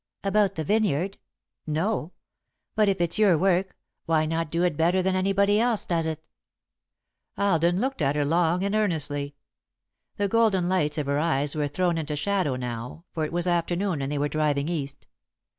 "About the vineyard? No. But, if it's your work, why not do it better than anybody else does it?" Alden looked at her long and earnestly. The golden lights of her eyes were thrown into shadow now, for it was afternoon and they were driving east.